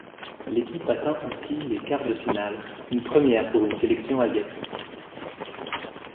L'équipe atteint ainsi les quarts de finale, une première pour une sélection asiatique.